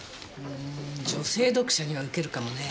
うん女性読者には受けるかもね。